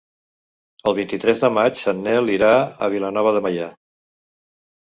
El vint-i-tres de maig en Nel irà a Vilanova de Meià.